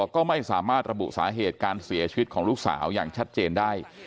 ก็ไม่สามารถระบุสาเหตุการเสียชีวิตของลูกสาวอย่างชัดเจนได้